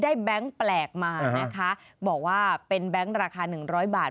ได้แบงก์แปลกมานะคะบอกว่าเป็นแบงก์ราคา๑๐๐บาท